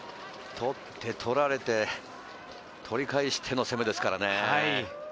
取って取られて、取り返しての攻めですからね。